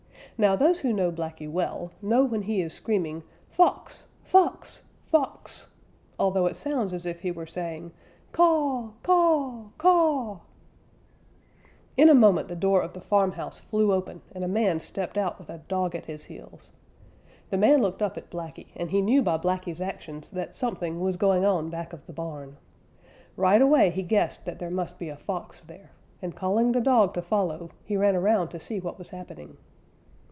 Now those who know Blacky well, know when he is screaming "Fox! Fox! Fox!" although it sounds as if he were saying "Caw! Caw! Caw!" In a moment the door of the farmhouse flew open, and a man stepped out with a dog at his heels. The man looked up at Blacky, and he knew by Blacky's actions that something was going on back of the barn. Right away he guessed that there must be a Fox there, and calling the dog to follow, he ran around to see what was happening.